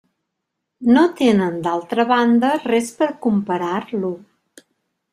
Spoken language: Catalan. No tenen, d'altra banda, res per a comparar-lo.